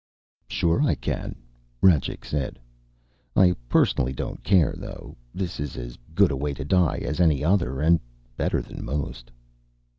"Sure I can," Rajcik said. "I personally don't care, though. This is as good a way to die as any other and better than most."